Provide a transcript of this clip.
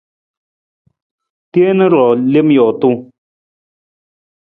Teen ruu lem jootung.